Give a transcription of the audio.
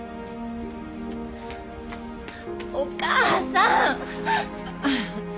お母さん！